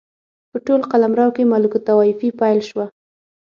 په ټول قلمرو کې ملوک الطوایفي پیل شوه.